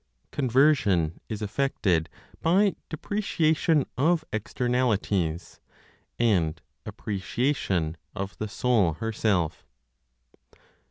CONVERSION IS EFFECTED BY DEPRECIATION OF EXTERNALITIES, AND APPRECIATION OF THE SOUL HERSELF.